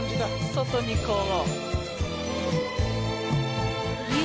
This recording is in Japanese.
外にこう。